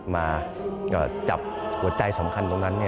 มาจับหัวใจสำคัญตรงนั้น